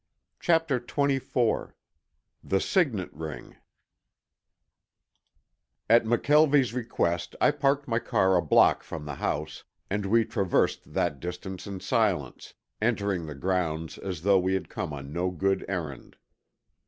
CHAPTER XXIV THE SIGNET RING At McKelvie's request I parked my car a block from the house and we traversed that distance in silence, entering the grounds as though we had come on no good errand.